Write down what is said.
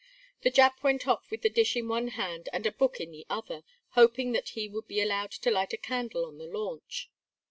The Jap went off with the dish in one hand and a book in the other, hoping that he would be allowed to light a candle on the launch.